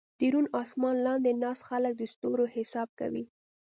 د روڼ اسمان لاندې ناست خلک د ستورو حساب کوي.